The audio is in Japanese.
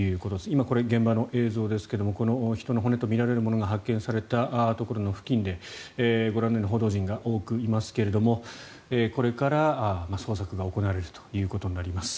今、現場の映像ですが人の骨と思われるものが発見されたところの付近でご覧のように報道陣が多くいますけれどもこれから捜索が行われるということになります。